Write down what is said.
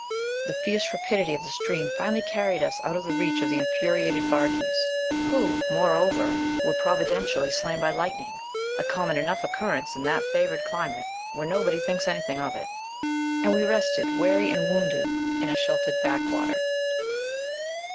The fierce rapidity of the stream finally carried us out of the reach of the infuriated Barghîz (who, moreover, were providentially slain by lightning a common enough occurrence in that favoured climate, where nobody thinks anything of it), and we rested, weary and wounded, in a sheltered backwater.